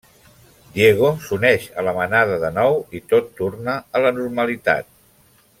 Diego s'uneix a la manada de nou, i tot torna a la normalitat.